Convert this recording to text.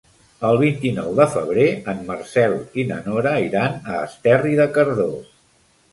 El vint-i-nou de febrer en Marcel i na Nora iran a Esterri de Cardós.